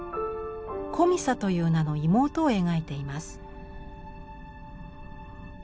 コミサという名の妹を描いています。